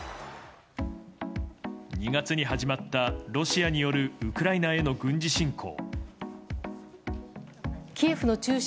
２月に始まったロシアによるウクライナへの軍事侵攻。